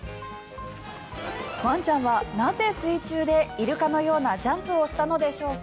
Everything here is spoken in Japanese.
ワンちゃんはなぜ水中でイルカのようなジャンプをしたのでしょうか。